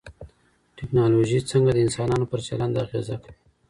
ټکنالوژي څنګه د انسانانو پر چلند اغېزه کوي؟